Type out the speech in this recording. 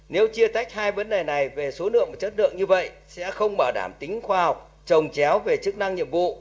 nếu chia tách hai vấn đề này về số lượng và chất lượng như vậy sẽ không bảo đảm tính khoa học trồng chéo về chức năng nhiệm vụ